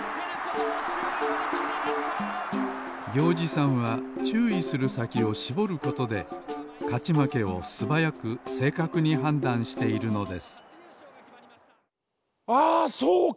ぎょうじさんはちゅういするさきをしぼることでかちまけをすばやくせいかくにはんだんしているのですああそうか！